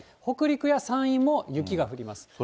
北陸や山陰も雪が降ります。